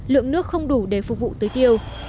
lượng nước không đủ để phục vụ tưới tiêu